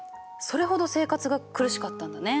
それほど生活が苦しかったんだね。